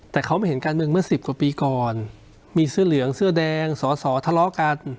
แต่เขาไม่เห็นการเมืองเมื่อสิบกว่าปีก่อนมีเสื้อเหลืองเสื้อแดงสอสอทะเลาะกัน